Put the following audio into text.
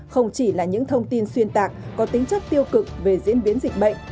không chỉ là những thông tin xuyên tạc có tính chất tiêu cực về diễn biến dịch bệnh